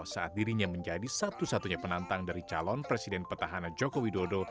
saat dirinya menjadi satu satunya penantang dari calon presiden petahana joko widodo